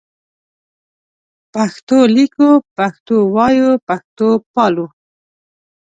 پښتو لیکو پښتو وایو پښتو پالو